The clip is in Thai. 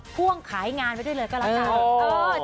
พ่วงขายงานไว้ด้วยเลยก็แล้วกัน